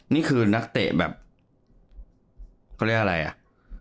นี่คือนักเตะแบบเขาเรียกอะไรอ่ะ